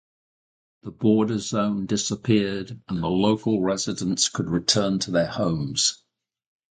The border zone disappeared and the local residents could return to their homes.